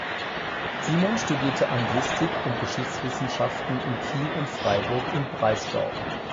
Siemon studierte Anglistik und Geschichtswissenschaften in Kiel und Freiburg im Breisgau.